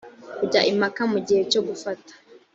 kujya impaka mu gihe cyo gufata